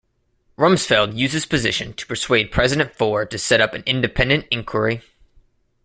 Rumsfeld used his position to persuade President Ford to set up an independent inquiry.